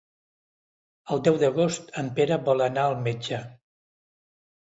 El deu d'agost en Pere vol anar al metge.